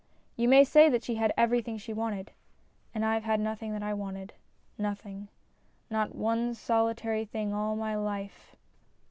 You may say that she had every thing she wanted. And I've had nothing that I wanted nothing. Not one solitary thing all my life."